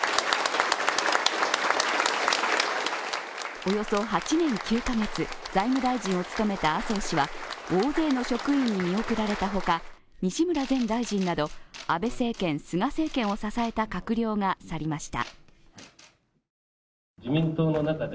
およそ８年９カ月、財務大臣を務めた麻生氏は大勢の職員に見送られたほか西村前大臣など安倍政権、菅政権を支えた官僚が去りました。